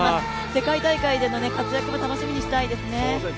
世界大会での活躍も楽しみにしたいですね。